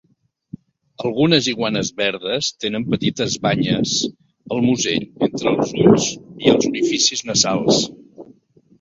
Algunes iguanes verdes tenen petites banyes al musell entre els ulls i els orificis nasals.